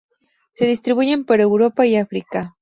Se distribuyen por Europa y África.